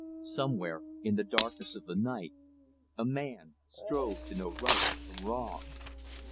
Somewhere, in the darkness of the night, a man strove to know right from wrong.